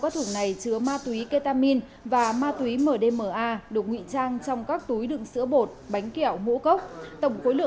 các thùng này chứa ma túy ketamin và ma túy mdma được nghị trang trong các túi đựng sữa bột bánh kẹo mũ cốc